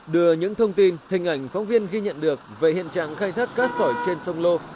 đưa những thông tin hình ảnh phóng viên ghi nhận được về hiện trạng khai thác cát sỏi trên sông lô